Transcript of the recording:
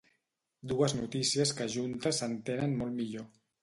Dues notícies que juntes s’entenen molt millor.